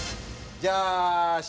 じゃあ品